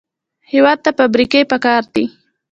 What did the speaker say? هېواد ته فابریکې پکار دي